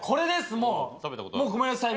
もうごめんなさい。